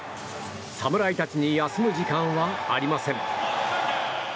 侍たちに休む時間はありません。